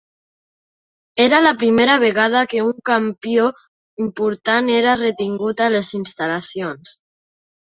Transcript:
Era la primera vegada que un campió important era retingut a les instal·lacions.